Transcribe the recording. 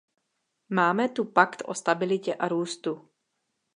Máme tu Pakt o stabilitě a růstu.